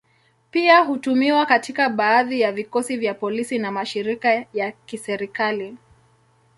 Pia hutumiwa katika baadhi ya vikosi vya polisi na mashirika ya kiserikali.